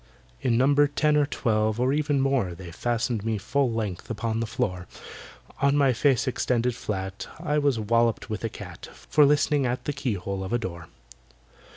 In number ten or twelve, or even more, They fastened me full length upon the floor. On my face extended flat, I was walloped with a cat For listening at the keyhole of a door.